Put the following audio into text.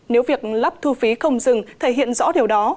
nếu việc lắp thu phí không dừng thể hiện rõ điều đó